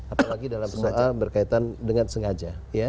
apalagi dalam soal berkaitan dengan sengaja